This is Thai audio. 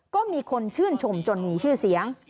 ก็มีคนชื่นชมจนมีชื่อเสียง